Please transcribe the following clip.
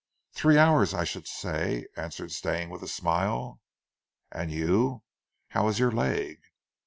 "Three hours, I should say," answered Stane with a smile. "And you? How is your leg?"